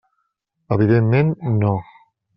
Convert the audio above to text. Evidentment, no.